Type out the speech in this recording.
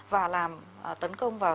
và làm tấn công vào